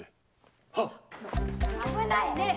危ないねっ！